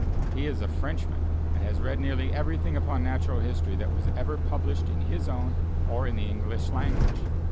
He is a Frenchman, and has read nearly everything upon natural history that was ever published in his own or in the English language.